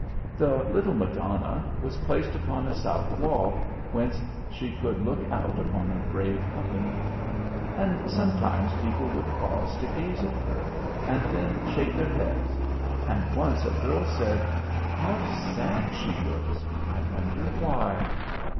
The little Madonna was placed upon a south wall, whence she could look out upon a brave company. And sometimes people would pause to gaze at her and then shake their heads. And once a girl said, "How sad she looks! I wonder why."